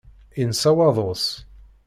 Insa waḍu-s.